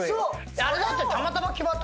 あれだって。